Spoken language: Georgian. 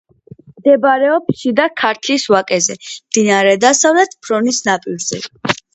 მდებარეობს შიდა ქართლის ვაკეზე, მდინარე დასავლეთ ფრონის ნაპირზე.